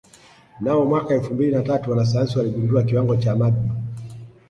Mnamo mwaka elfu mbili na tatu wanasayansi waligundua kiwango cha magma